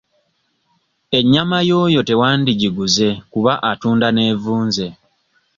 Ennyama y'oyo tewandigiguze kuba atunda n'evunze.